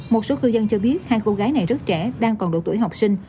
một số cư dân cho biết hai cô gái này rất trẻ đang còn độ tuổi học sinh